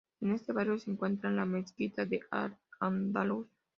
En este barrio se encuentra la mezquita de Al-Ándalus.